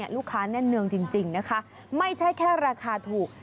แน่นเนืองจริงนะคะไม่ใช่แค่ราคาถูก